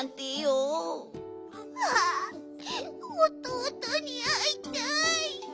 あおとうとにあいたい！